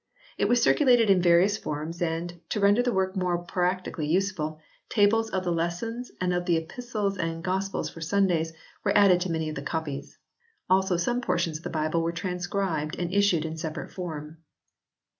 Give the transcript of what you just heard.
It was circulated in various forms and, to render the work more practically useful, tables of the Lessons and of the Epistles and Gospels for Sundays were added to many of the copies. Also some portions of the Bible were transcribed and issued in separate form.